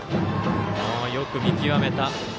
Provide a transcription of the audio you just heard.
よく見極めた。